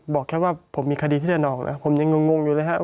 บอกแค่ว่าผมมีคดีที่เดินออกนะผมยังงงอยู่เลยครับ